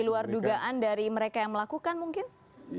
di luar dugaan dari mereka yang melakukan mungkin